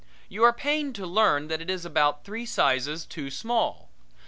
You are pained to learn that it is about three sizes too small.